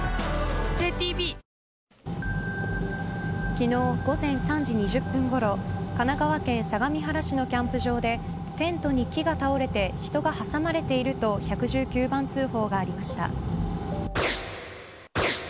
昨日、午前３時２０分ごろ神奈川県相模原市のキャンプ場でテントに木が倒れて人が挟まれていると１１９番通報がありました。